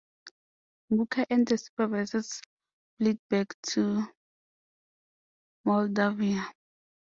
Mukha and the survivors fled back to Moldavia.